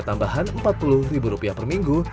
tambahan empat puluh rupiah perminggu